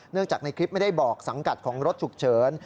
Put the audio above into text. จากในคลิปไม่ได้บอกสังกัดของรถฉุกเฉิน